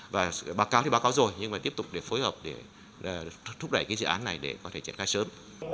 và báo cáo thì báo cáo rồi nhưng mà tiếp tục để phối hợp để thúc đẩy cái dự án này để có thể triển khai sớm